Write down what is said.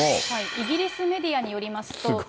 イギリスメディアによりますと。